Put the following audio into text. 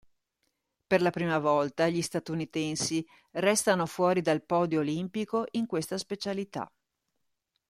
Per la prima volta gli statunitensi restano fuori dal podio olimpico in questa specialità.